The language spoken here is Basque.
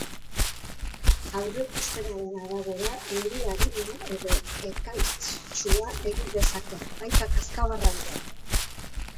Aurreikuspenaren arabera, euri arina edo ekaitztsua egin dezake, baita kazkabarra ere.